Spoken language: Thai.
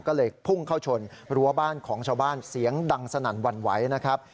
ก็เลยพุ่งเข้าชนรั้วบ้านของชาวบ้านเสียงดังสนั่นหวั่นไหวนะครับ